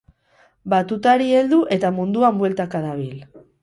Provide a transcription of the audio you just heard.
Batutari heldu eta munduan bueltaka dabil.